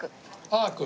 アーク。